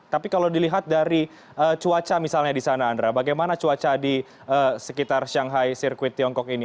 tapi kalau dilihat dari cuaca misalnya di sana andra bagaimana cuaca di sekitar shanghai sirkuit tiongkok ini